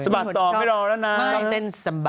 บัดต่อไม่รอแล้วนะ